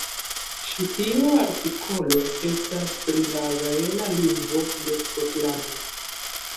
Ĉi tiu artikolo estas pri la gaela lingvo de Skotlando.